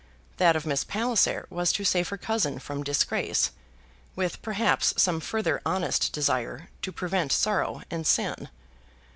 That of Miss Palliser was to save her cousin from disgrace, with perhaps some further honest desire to prevent sorrow and sin.